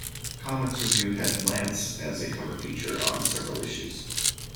"Comics Revue" had "Lance" as a cover feature on several issues.